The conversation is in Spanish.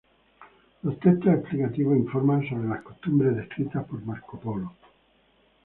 Los textos explicativos informan sobre las costumbres descritas por Marco Polo.